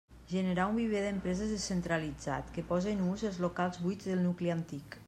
Generar un viver d'empreses descentralitzat, que pose en ús els locals buits del nucli antic.